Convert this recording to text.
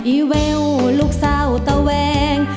อีเวลลูกสาวตะแวง